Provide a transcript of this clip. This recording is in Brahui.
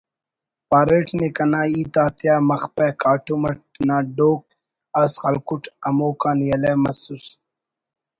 پاریٹ نے کنا ہیت آتیا مخپہ کاٹم اٹ نا ڈوک اس خلکٹ ہموکان یلہ مسس